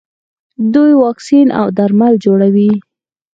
دوی واکسین او درمل جوړوي.